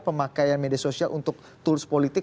pemakaian media sosial untuk tools politik